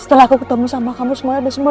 setelah aku ketemu sama kamu semuanya udah sembuh